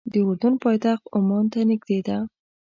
د اردن پایتخت عمان ته نږدې ده.